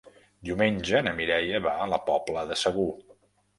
Diumenge na Mireia va a la Pobla de Segur.